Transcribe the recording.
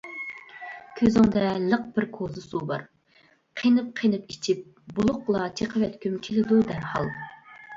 كۆزۈڭدە لىق بىر كوزا سۇ بار، قېنىپ-قېنىپ ئىچىپ بۇلۇقلا چېقىۋەتكۈم كېلىدۇ دەرھال.